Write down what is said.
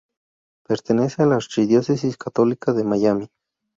Pertenece a la archidiócesis católica de Miami.